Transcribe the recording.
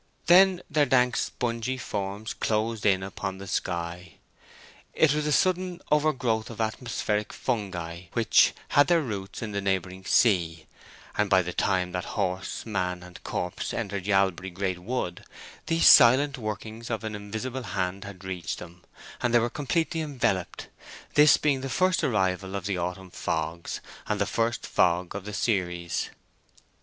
Then their dank spongy forms closed in upon the sky. It was a sudden overgrowth of atmospheric fungi which had their roots in the neighbouring sea, and by the time that horse, man, and corpse entered Yalbury Great Wood, these silent workings of an invisible hand had reached them, and they were completely enveloped, this being the first arrival of the autumn fogs, and the first fog of the series.